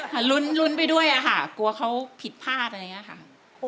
หลุนไปด้วยอะค่ะกลัวเขาผิดภาพอย่างงี้อะค่ะ